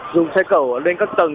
dùng xe cẩu lên các tầng